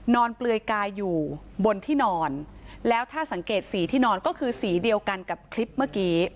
เปลือยกายอยู่บนที่นอนแล้วถ้าสังเกตสีที่นอนก็คือสีเดียวกันกับคลิปเมื่อกี้